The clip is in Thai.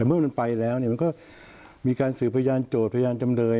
เมื่อมันไปแล้วเนี่ยมันก็มีการสืบพยานโจทย์พยานจำเลย